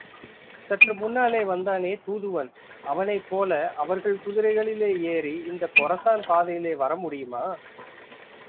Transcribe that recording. சற்று முன்னாலே, வந்தானே தூதுவன், அவனைப்போல அவர்கள் குதிரைகளிலே ஏறி இந்தக் கொரசான் பாதையிலே வரமுடியுமா?